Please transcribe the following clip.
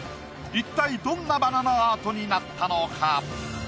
一体どんなバナナアートになったのか？